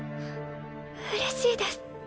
うれしいです。